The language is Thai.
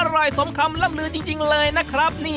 สมคำล่ำลือจริงเลยนะครับ